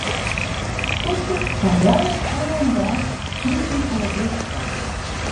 Skûtsjes fan Ljouwert en Earnewâld striden om it earste plak.